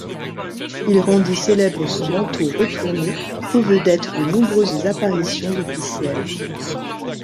Il rendit célèbre son manteau retourné, covedette de nombreuses apparitions officielles.